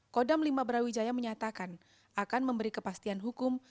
kodam lima brawijaya menyatakan akan memberi kepastian hukum